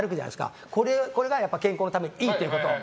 これが健康のためにいいということ。